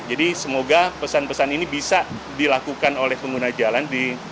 jadi semoga pesan pesan ini bisa dilakukan oleh pengguna jalan